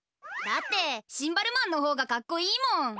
だってシンバルマンの方がかっこいいもん！